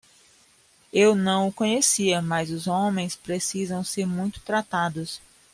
Eu não o conhecia, mas os homens precisam ser muito tratados.